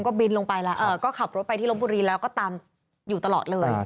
ก็บินลงไปแล้วก็ขับรถไปที่ลบบุรีแล้วก็ตามอยู่ตลอดเลย